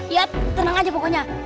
iya tenang aja pokoknya